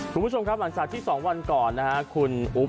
คุณผู้ชมครับหลังจากที่๒วันก่อนนะฮะคุณอุ๊บ